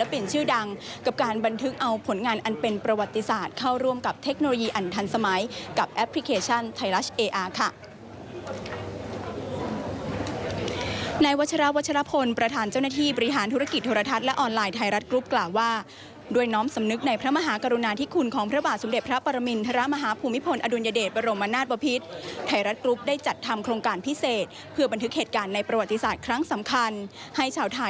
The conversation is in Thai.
ประธานเจ้าหน้าที่บริหารธุรกิจธรรทัศน์และออนไลน์ไทยรัฐกรุ๊ปกล่าวว่าด้วยน้อมสำนึกในพระมหากรุณาที่คุณของพระบาทสุดเด็ดพระปรมินทรมาฮภูมิพลอดุลยเดชบรมนาศปภิษไทยรัฐกรุ๊ปได้จัดทำโครงการพิเศษเพื่อบันทึกเหตุการณ์ในประวัติศาสตร์ครั้งสำคัญให้ชาวไท